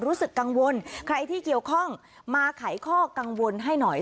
รู้สึกกังวลใครที่เกี่ยวข้องมาไขข้อกังวลให้หน่อย